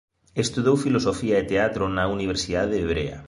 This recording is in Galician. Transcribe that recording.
Estudou filosofía e teatro na Universidade Hebrea.